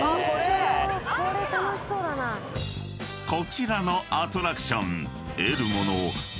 ［こちらのアトラクション］